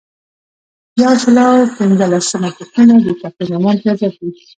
یو سل او پنځلسمه پوښتنه د تقدیرنامو امتیازات دي.